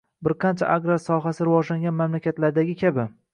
Bir qancha agrar sohasi rivojlangan mamlakatlardagi kabi.